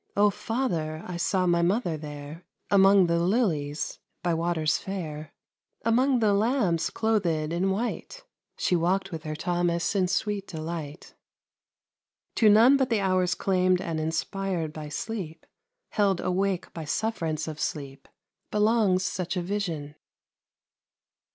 O father, I saw my mother there, Among the lilies by waters fair. Among the lambs clothed in white, She walk'd with her Thomas in sweet delight. To none but the hours claimed and inspired by sleep, held awake by sufferance of sleep, belongs such a vision.